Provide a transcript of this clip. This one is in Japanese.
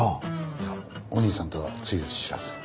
いやお兄さんとは露知らず。